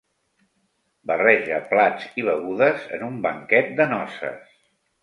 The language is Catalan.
Barreja plats i begudes en un banquet de noces.